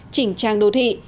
chỉnh trang đô thị